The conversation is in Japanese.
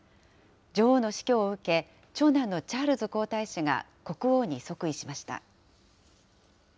女王の死去を受け、長男のチャールズ皇太子が国王に即位しました。